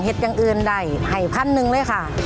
เห็ดกังเอิญใดไห่พันหนึ่งเลยค่ะ